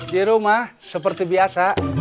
di rumah seperti biasa